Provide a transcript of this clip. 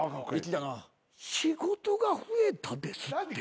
仕事が増えたですって？